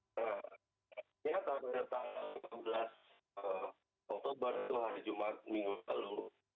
nah saya tahu pada tahun delapan belas oktober itu hari jumat minggu lalu